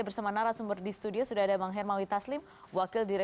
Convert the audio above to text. terima kasih sudah hadir